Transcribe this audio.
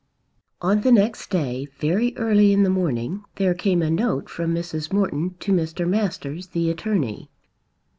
On the next day, very early in the morning, there came a note from Mrs. Morton to Mr. Masters, the attorney.